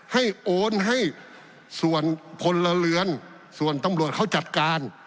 โอนให้ส่วนพลเรือนส่วนตำรวจเขาจัดการ